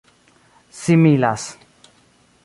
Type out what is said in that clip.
similas